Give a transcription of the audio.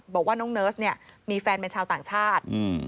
บอกว่าน้องเนิร์สเนี่ยมีแฟนเป็นชาวต่างชาติ